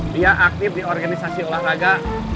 dia aktif di organisasi olahraga